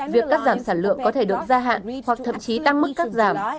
việc cắt giảm sản lượng có thể được gia hạn hoặc thậm chí tăng mức cắt giảm